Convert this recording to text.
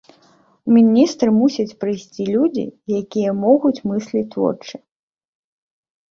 У міністры мусяць прыйсці людзі, якія могуць мысліць творча.